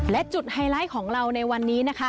และจุดไฮไลท์ของเราในวันนี้นะคะ